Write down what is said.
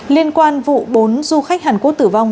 liên quan vụ bốn du khách hàn quốc tử vong